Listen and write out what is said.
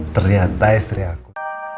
ternyata istri aku